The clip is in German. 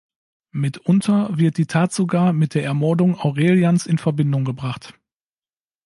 Mitunter wird die Tat sogar mit der Ermordung Aurelians in Verbindung gebracht.